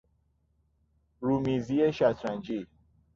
رومیزی شطرنجی